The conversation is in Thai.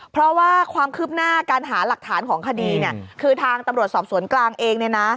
เพราะว่าความคืบหน้าการหาหลักฐานของคดีเนี่ยคือทางตำรวจสอบสวนกลางเองเนี่ยนะ